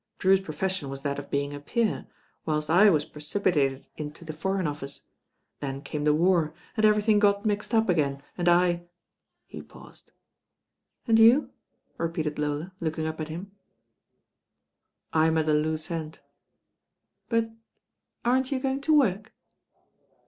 Drew's profession was that of being a peer, whilst I was preciof^atcd into the Foreign Office. Then came the war, and everything got mixed up again, and I " he paused. "And you?" repeated Lola, looking up at hun. "I'm at a loose end." "But aren't you going to work?'